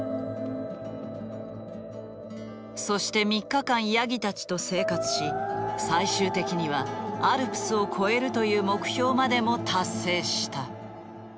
そして３日間ヤギたちと生活し最終的にはアルプスを越えるという目標までも達成した。